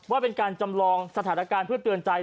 ว่าเป็นการจำลองสถานการณ์เพื่อเตือนใจ